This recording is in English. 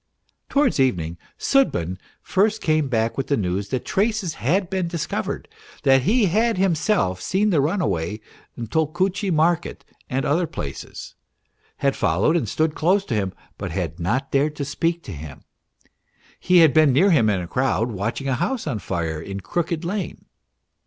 Towards even ing Sudbin first came back with the news that traces had been discovered, that he had himself seen the runaway in Tolkutchy Market and other places, had followed and stood close to him, but had not dared to speak to him ; he had been near him in a crowd watching a house on fire in Crooked Lane.